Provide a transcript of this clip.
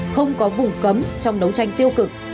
không có vùng cấm trong đấu tranh tiêu cực